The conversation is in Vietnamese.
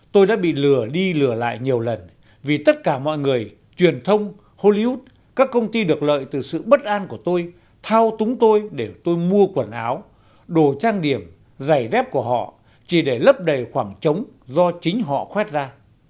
hollywood các công ty được lợi từ sự bất an của tôi thao túng tôi để tôi mua quần áo đồ trang điểm giày dép của họ chỉ để lấp đầy khoảng trống do chính họ khoét ra